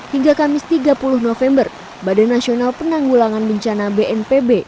hingga kamis tiga puluh november badan nasional penanggulangan bencana bnpb